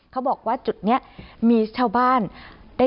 เขาบอกว่าจุดนี้มีชาวบ้านได้